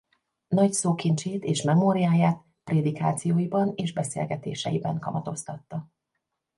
Nagy szókincsét és memóriáját prédikációiban és beszélgetéseiben kamatoztatta.